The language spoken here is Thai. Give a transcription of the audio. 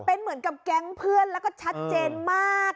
เป็นเหมือนกับแก๊งเพื่อนแล้วก็ชัดเจนมาก